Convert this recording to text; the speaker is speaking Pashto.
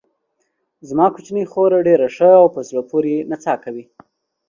زما کوچنۍ خور ډېره ښه او په زړه پورې نڅا کوي.